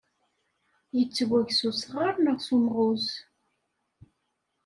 Yettweg s usɣar neɣ s umɣuz?